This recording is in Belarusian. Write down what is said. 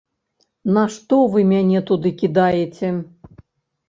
На што вы мяне туды кідаеце?